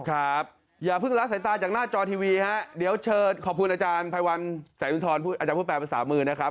ครับอย่าพึ่งละสายตาจากหน้าจอทีวีครับเดี๋ยวเชิญขอบคุณอาจารย์ภายวันแสนทรอาจารย์ภูมิแปลวัน๓๐๐๐๐นะครับ